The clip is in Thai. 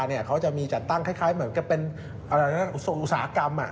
เขาจะมีจัดตั้งคล้ายเหมือนกับเป็นทรงอุตสาหกรรม